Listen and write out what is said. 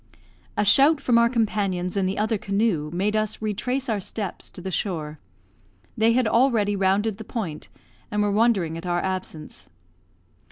A shout from our companions in the other canoe made us retrace our steps to the shore. They had already rounded the point, and were wondering at our absence.